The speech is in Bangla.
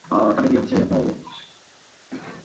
চোন্তাই রঘুপতি বলিলেন, আমি এ কি স্বপ্ন দেখিতেছি!